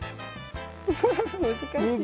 ウフフフ難しい。